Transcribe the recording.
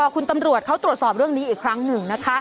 คุณตำรวจเขาตรวจสอบเรื่องนี้อีกครั้งหนึ่งนะคะ